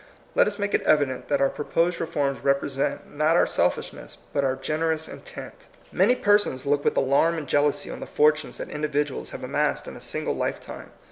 Let us make it evident that our proposed reforms represent, not our selfishness, but our gen erous intent. Many persons look with alarm and jeal ousy on the fortunes that individuals have amassed in a single lifetime.